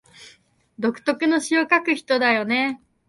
独特の詩を書く人だよね